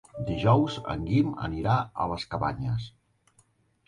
Dijous en Guim anirà a les Cabanyes.